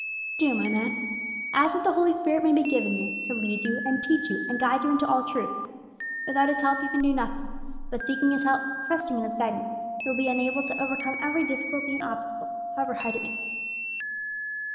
"Do, my man. Ask that the Holy Spirit may be given you, to lead you, and teach you, and guide you into all truth. Without His help you can do nothing; but, seeking His help, trusting in his guidance, you will be enabled to overcome every difficulty and obstacle, however hard it may be."